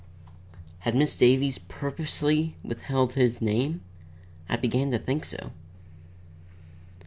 Had Miss Davies purposely withheld his name? I began to think so.